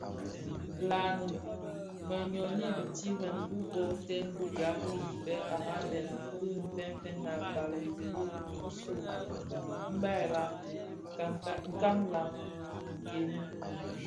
Lanne më nloghi dhi tirèd ti bodhèn bi gari yi bë araben bi fènfèn a bali Ire kisu: Mbai la? nkan la? dhëni.